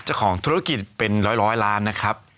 เจ้าของธุรกิจเป็นร้อยล้านนะครับ